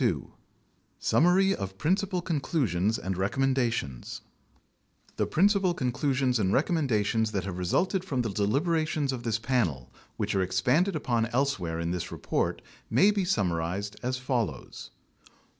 2 SUMMARY OF PRINCIPAL CONCLUSIONS AND RECOMMENDATIONS The principal conclusions and recommendations that have resulted from the deliberations of this Panel, which are expanded upon else where in this report, may be summarized as follows: 1.